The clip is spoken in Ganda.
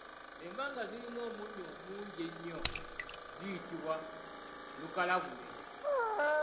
Enva nga zirimu omunnyo mungi nnyo ziyitibwa lukalabule.